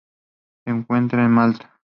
Se encuentra en Malta.